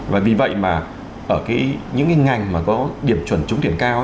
và vì vậy mà ở những cái ngành mà có điểm chuẩn trúng tuyển cao